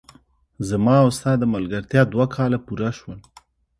زما او ستا د ملګرتیا دوه کاله پوره شول!